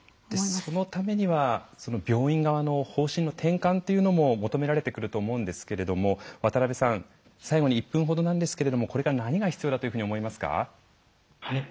そのためには病院側の方針の転換というのも求められてくると思うんですけれども渡邉さん最後に１分ほどなんですけれどもこれから何が必要だというふうに思いますか？